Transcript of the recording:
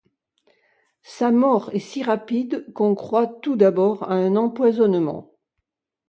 Sa mort est si rapide qu’on croit tout d’abord à un empoisonnement.